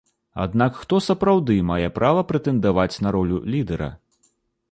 Аднак хто сапраўды мае права прэтэндаваць на ролю лідэра?